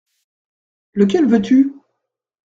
Lequel veux-tu ?